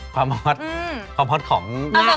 ความฮอตเดียวของ